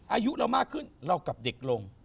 อายุเรามากขึ้นเรากลับเด็กลง